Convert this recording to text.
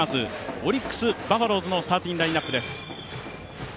オリックス・バッファローズのスターティングラインナップです。